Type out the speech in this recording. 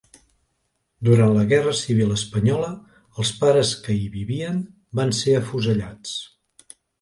Durant la Guerra Civil Espanyola els pares que hi vivien van ser afusellats.